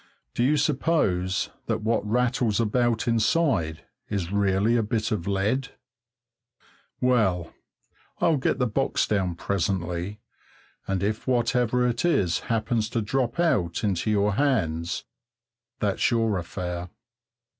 Do you suppose that what rattles about inside is really a bit of lead? Well, I'll get the box down presently, and if whatever it is happens to drop out into your hands that's your affair.